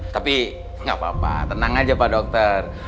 tapi gapapa tenang aja pak dokter